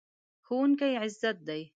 ښوونکی عزت دی.